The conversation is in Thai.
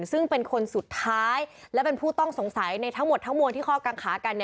ซึ่งเป็นคนสุดท้ายและเป็นผู้ต้องสงสัยในทั้งหมดทั้งมวลที่ข้อกังขากัน